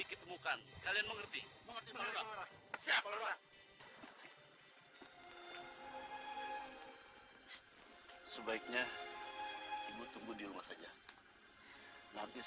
ketika kita berdua kita tidak bisa menemukan keti